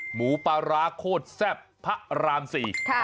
หมูปลาร้าโคตรแซ่บพระราม๔